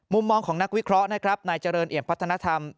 มุมมองของนักวิเคราะห์นะครับนายเจริญเอี่ยมพัฒนธรรม